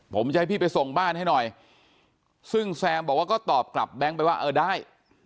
ผมจะให้พี่ไปส่งบ้านให้หน่อยซึ่งแซมบอกว่าก็ตอบกลับแบงค์ไปว่าเออได้